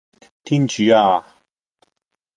天主呀